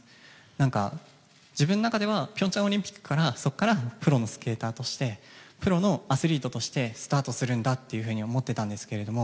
何か、自分の中では平昌オリンピックからそこからプロのスケーターとしてプロのアスリートとしてスタートするんだというふうに思ってたんですけれども。